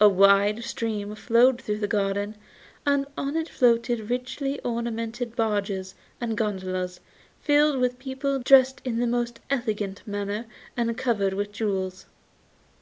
A wide stream flowed through the garden, and on it floated richly ornamented barges and gondolas filled with people dressed in the most elegant manner and covered with jewels.